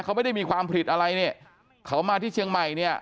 เขาไม่ได้มีความผิดอะไรเนี่ยเขามาที่เชียงใหม่เนี่ย